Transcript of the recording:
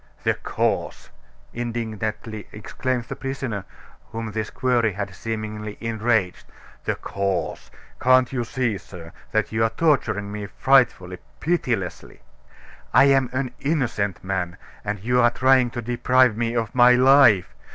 "The cause!" indignantly exclaimed the prisoner, whom this query had seemingly enraged; "the cause! Can't you see, sir, that you are torturing me frightfully, pitilessly! I am an innocent man, and you are trying to deprive me of my life.